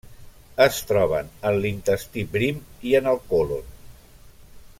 Es troben en l'intestí prim i en el còlon.